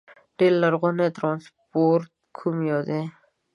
ډېر لرغونی ترانسپورت کوم یو دي؟